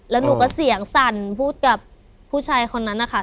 แล้วหนูก็เสียงสั่นพูดกับผู้ชายคนนั้นนะคะ